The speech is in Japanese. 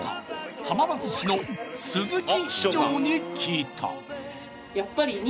浜松市の鈴木市長に聞いた。